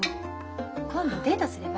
今度デートすれば？